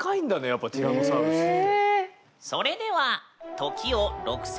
やっぱティラノサウルスって。